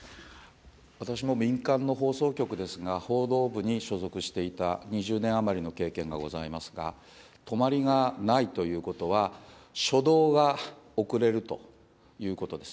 私も民間の放送局ですが、報道部に所属していた２０年余りの経験がございますが、泊まりがないということは、初動が遅れるということです。